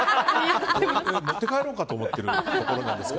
持って帰ろうかと思ってるところです。